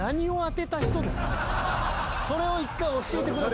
それを一回教えてください。